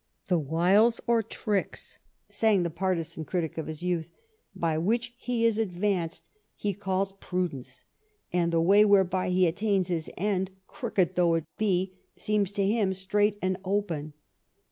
" The Aviles or tricks," sang the partisan 64 EDWARD I chap. critic of his youth, "by which he is advanced, he calls prudence, and the way whereby he attains his end, crooked though it be, seems to him straight and open.